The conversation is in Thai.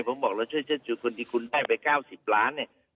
ผมบอกเราช่วยเชิดชูคนที่คุณได้ไป๙๐ล้านเนี่ย